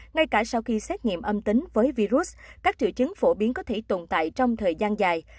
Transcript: ngay cả sau khi xét nghiệm âm tính với virus các triệu chứng phổ biến có thể tồn tại trong thời gian dài